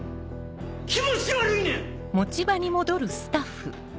気持ち悪いねん！